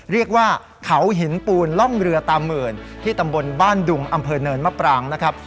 เรียกว่าเขาหินปูนร่องเรือตามหมื่นที่ตำบลบ้านดุงอำเภอเนินมะปรางนะครับ